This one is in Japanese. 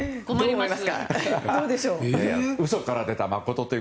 どうでしょう。